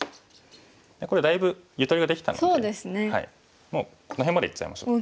これだいぶゆとりができたのでもうこの辺までいっちゃいましょう。